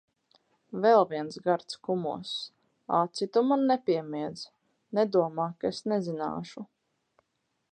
Vēl viens gards kumoss! Aci tu man nepiemiedz! Nedomā, ka es nezināšu.